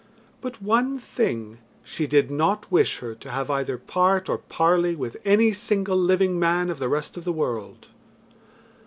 But one thing, she did not wish her to have either part or parley with any single living man of the rest of the world.